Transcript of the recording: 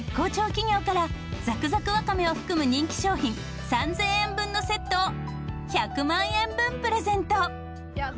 企業からザクザクわかめを含む人気商品３０００円分のセットを１００万円分プレゼント！